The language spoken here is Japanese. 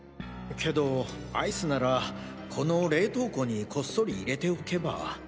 けどアイスならこの冷凍庫にこっそり入れておけば。